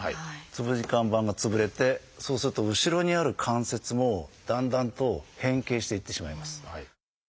椎間板が潰れてそうすると後ろにある関節もだんだんと変形していってしまいます。